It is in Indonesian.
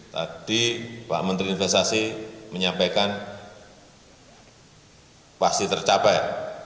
tadi pak menteri investasi menyampaikan pasti tercapai